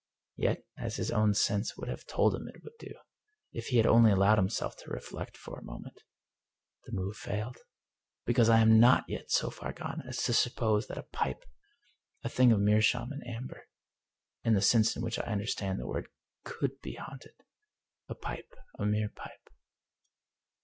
Yet, as his own sense would have told him it would do, if he had only allowed himself to reflect for a moment, the move failed. Because I am not yet so far gone as to suppose that a pipe, a thing of meer schaum and of amber, in the sense in which I understand the word, could be haunted — ^a pipe, a mere pipe.